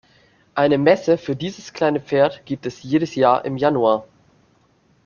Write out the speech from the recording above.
Eine Messe für dieses kleine Pferd gibt es jedes Jahr im Januar.